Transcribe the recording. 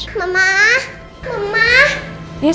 kutipan mas aldeh daripada kepikiran terus